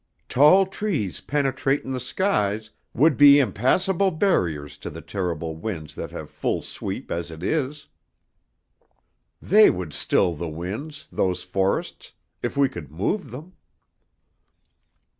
Tall trees penetratin' the skies would be impassable barriers to the terrible winds that have full sweep as it is. They would still the winds, those forests, if we could move them!"